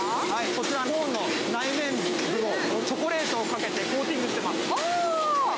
こちら、コーンの内面にチョコレートをかけてコーティングしてます。